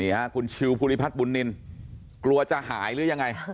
ค่ะคุณชิวภูริพัฒน์บุญนินกลัวจะหายหรือยังไง